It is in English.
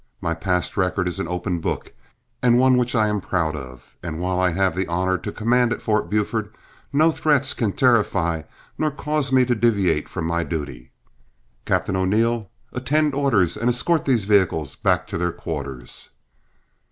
My past record is an open book and one which I am proud of; and while I have the honor to command at Fort Buford, no threats can terrify nor cause me to deviate from my duty. Captain O'Neill, attend orders and escort these vehicles back to their quarters."